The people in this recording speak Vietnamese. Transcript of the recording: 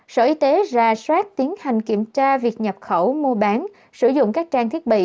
sở y tế ra soát tiến hành kiểm tra việc nhập khẩu mua bán sử dụng các trang thiết bị